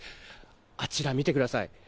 あちら、見てください。